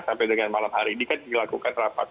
sampai dengan malam hari ini kan dilakukan rapat